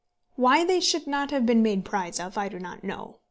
Why they should not have been made prize of I do not know.